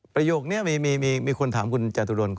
ประโยคมีคนถามคุณจัตุรวรรค์